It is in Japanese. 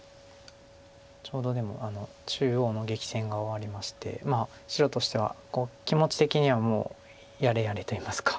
ちょうどでも中央の激戦が終わりまして白としては気持ち的にはもうやれやれといいますか。